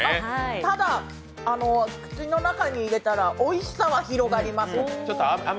ただ、口の中に入れたらおいしさは広がります。